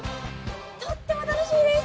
とっても楽しみです！